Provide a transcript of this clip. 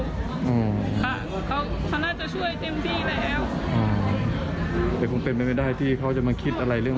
อืมค่ะเขาเขาน่าจะช่วยเต็มที่แล้วอืมแต่คงเป็นไปไม่ได้ที่เขาจะมาคิดอะไรเรื่อง